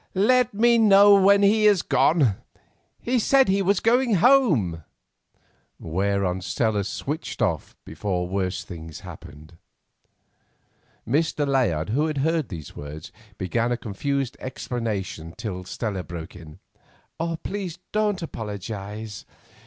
"Let me know when he is gone. He said he was going home," whereon Stella switched off before worse things happened. Mr. Layard, who had heard these words, began a confused explanation till Stella broke in. "Please don't apologise.